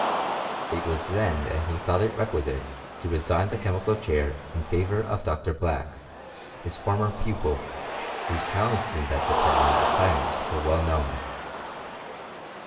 It was then that he thought it requisite to resign the chemical chair in favour of Dr. Black, his former pupil, whose talents in that department of science were well known.